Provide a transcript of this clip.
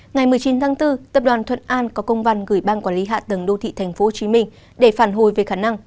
ngày một mươi chín tháng bốn tập đoàn thuận an có công văn gửi ban quản lý hạ tầng đô thị tp hcm để phản hồi về khả năng